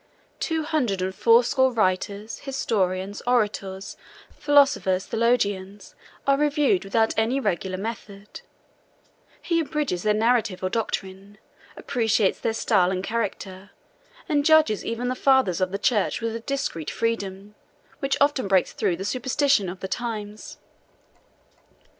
Two hundred and fourscore writers, historians, orators, philosophers, theologians, are reviewed without any regular method: he abridges their narrative or doctrine, appreciates their style and character, and judges even the fathers of the church with a discreet freedom, which often breaks through the superstition of the times.